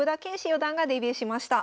四段がデビューしました。